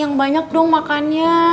yang banyak dong makannya